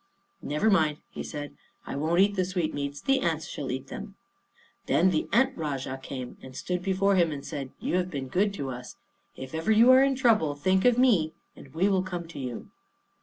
"Never mind," he said, "I won't eat the sweetmeats; the ants shall eat them." Then the Ant Rajah came and stood before him and said, "You have been good to us. If ever you are in trouble, think of me and we will come to you."